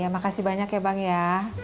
makasih banyak ya bang ya